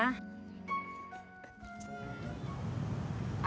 hmm tuh kan ada maunya